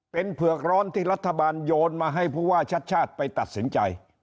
เป็นเผือกร้อนที่รัฐบาลโยนมาให้ผู้ว่าชัดชาติไปตัดสินใจ